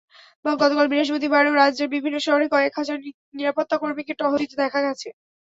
গতকাল বৃহস্পতিবারও রাজ্যের বিভিন্ন শহরে কয়েক হাজার নিরাপত্তাকর্মীকে টহল দিতে দেখা গেছে।